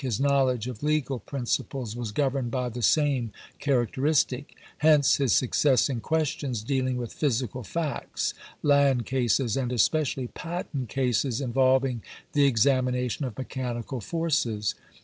His knowledge of legal principles was governed by the same characteristic ; hence his success in questions deahng with physical facts, land cases, and espe cially patent cases involving the examination of me chanical forces.